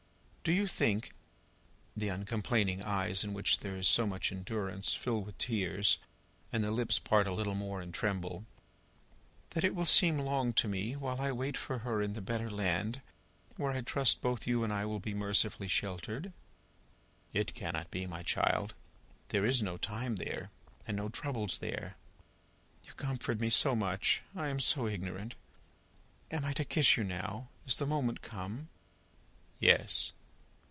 "Do you think:" the uncomplaining eyes in which there is so much endurance, fill with tears, and the lips part a little more and tremble: "that it will seem long to me, while I wait for her in the better land where I trust both you and I will be mercifully sheltered?" "It cannot be, my child; there is no Time there, and no trouble there." "You comfort me so much! I am so ignorant. Am I to kiss you now? Is the moment come?" "Yes."